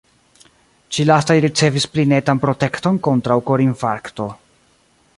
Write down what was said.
Ĉi-lastaj ricevis pli netan protekton kontraŭ korinfarkto.